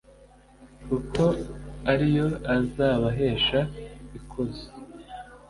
kuko ari yo azabahesha ikuzo